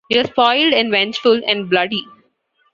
You're spoiled and vengeful and bloody.